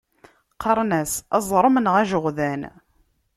Qqaren-as aẓrem neɣ ajeɣdan.